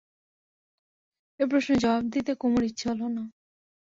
এ প্রশ্নের জবাব দিতে কুমুর ইচ্ছে হল না।